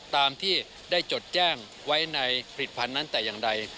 ตามที่ได้จดแจ้งไว้ในผลิตภัณฑ์นั้นแต่อย่างใด